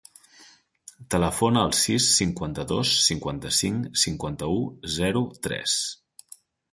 Telefona al sis, cinquanta-dos, cinquanta-cinc, cinquanta-u, zero, tres.